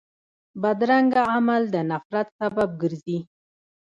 بدرنګه عمل د نفرت سبب ګرځي